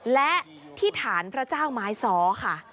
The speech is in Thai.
และที่ฐานพระเจ้าไม้ซ้อค่ะ